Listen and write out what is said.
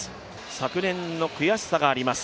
昨年の悔しさがあります。